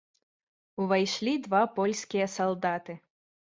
Увайшлі два польскія салдаты.